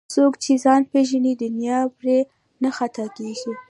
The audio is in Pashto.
څوک چې ځان پیژني دنیا پرې نه خطا کېږي